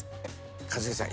一茂さん